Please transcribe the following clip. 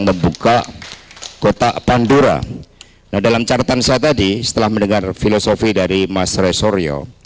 membuka kota pandura dalam catatan saya tadi setelah mendengar filosofi dari mas resorio